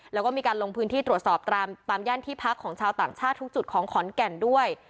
แล้วก็มีการลงพื้นที่ตรวจสอบตามย่านที่พักของชาวต่างชาติทุกจุดของขอนแก่นด้วย